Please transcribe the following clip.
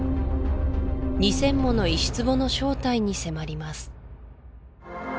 ２０００もの石壺の正体に迫ります